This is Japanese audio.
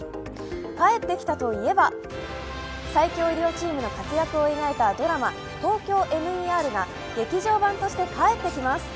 帰ってきたといえば、最強医療チームの活躍を描いたドラマ「ＴＯＫＹＯＭＥＲ」が劇場版として帰ってきます。